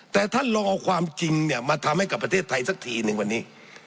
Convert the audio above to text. แต่ท่านลองเอาความจริงเนี่ยมาทำให้กับประเทศไทยสักทีหนึ่งวันนี้